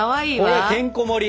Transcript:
これてんこ盛り。